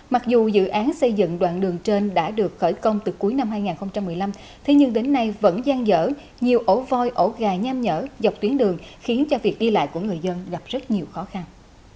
mặc dù dự án xây dựng đoạn đường trên đã được khởi công từ cuối năm hai nghìn một mươi năm thế nhưng đến nay vẫn gian dở nhiều ổ voi ổ gà nham nhở dọc tuyến đường khiến cho việc đi lại của người dân gặp rất nhiều khó khăn